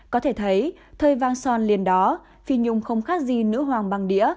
có thể thấy thời vang son liền đó phi nhung không khác gì nữ hoàng bằng đĩa